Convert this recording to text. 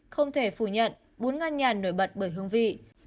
không thể phủ nhận bún nga nhản nổi bật bởi hương vị